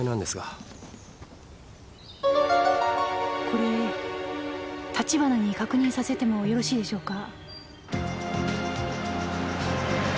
これ立花に確認させてもよろしいでしょうか？